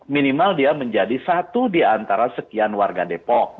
minimal dia menjadi satu di antara sekian warga depok